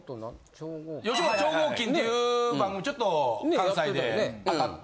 『吉本超合金』っていう番組ちょっと関西で当たって。